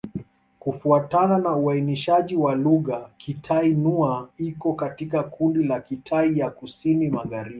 Kufuatana na uainishaji wa lugha, Kitai-Nüa iko katika kundi la Kitai ya Kusini-Magharibi.